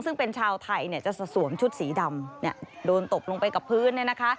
ซึ่งเป็นชาวไทยจะสวมชุดสีดำโดนตบลงไปกับพื้นเนี่ยนะคะ